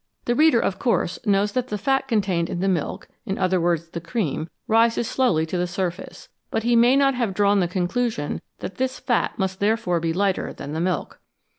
The reader, of course, knows that the fat contained in the milk in other words, the cream rises slowly to the surface ; but he may not have drawn the conclusion that this fat must therefore be lighter than the milk.